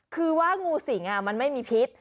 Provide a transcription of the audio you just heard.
คือว่างูสิงมันไม่มีพิษ